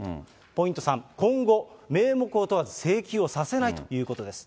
ポイント３、今後名目を問わず請求をさせないということです。